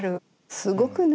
すごくね